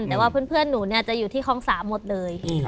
แต่ว่าเพื่อนหนูจะอยู่ที่คลอง๓หมดเลย